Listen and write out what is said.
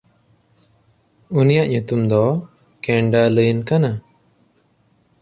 ᱩᱱᱤᱭᱟᱜ ᱧᱩᱛᱩᱢ ᱫᱚ ᱠᱮᱱᱰᱟᱞᱟᱹᱭᱤᱱ ᱠᱟᱱᱟ᱾